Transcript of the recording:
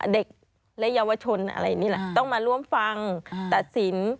เด็กและเยาวชนอะไรนี่แหละต้องมาร่วมฟังตัดสิน